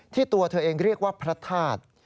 ตัวเธอเองเรียกว่าพระธาตุ